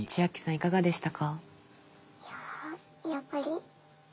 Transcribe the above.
いかがでしたか？